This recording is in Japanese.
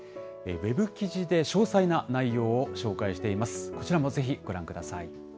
ウェブ記事で詳細な内容を紹介しています。